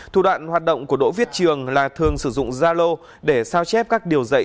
thủ đoạn hoạt động của đỗ viết trường là thường sử dụng zalo để sao chép các điều dạy